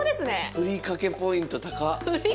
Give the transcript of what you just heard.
ふりかけポイントたかっ。